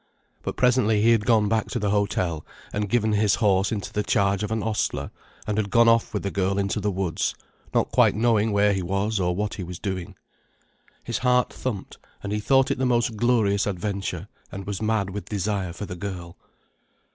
But presently he had gone back to the hotel and given his horse into the charge of an ostler and had gone off with the girl into the woods, not quite knowing where he was or what he was doing. His heart thumped and he thought it the most glorious adventure, and was mad with desire for the girl.